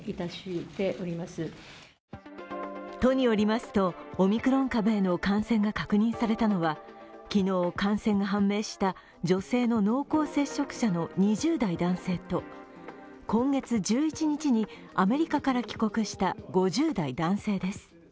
都によりますと、オミクロン株への感染が確認されたのは昨日、感染が判明した女性の濃厚接触者の２０代男性と今月１１日にアメリカから帰国した５０代男性です。